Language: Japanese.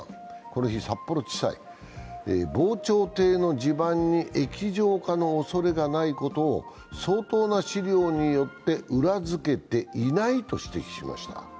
この日、札幌地裁、防潮堤の地盤に液状化のおそれがないことを相当な資料によって裏付けていないと指摘しました。